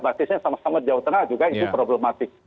basisnya sama sama jauh tenaga juga itu problematik